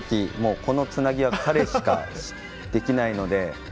このつなぎは彼しかできないので。